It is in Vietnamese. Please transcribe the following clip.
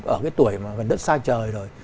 ở cái tuổi mà gần đất xa trời rồi